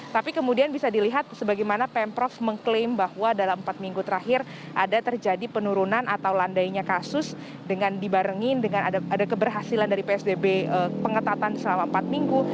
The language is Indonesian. tapi kemudian bisa dilihat sebagaimana pemprov mengklaim bahwa dalam empat minggu terakhir ada terjadi penurunan atau landainya kasus dengan dibarengin dengan ada keberhasilan dari psbb pengetatan selama empat minggu